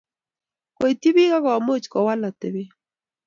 Koityi bik akomuch Kowal atebet